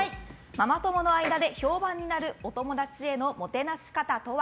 ママ友の間で評判になるお友達へのもてなし方とは？